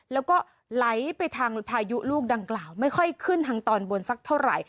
แล้วก็ไหลไปทางพายุลูกดังกล่าวไม่ค่อยขึ้นทางตอนบนสักเท่าไหร่